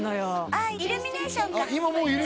あっイルミネーションかあっ